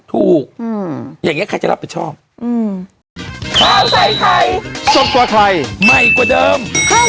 ถูกอืมอย่างเงี้ยใครจะรับแต่ชอบอืม